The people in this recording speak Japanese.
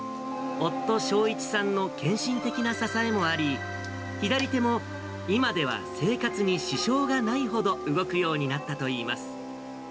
夫、正一さんの献身的な支えもあり、左手も今では生活に支障がないほど動くようになったといいます。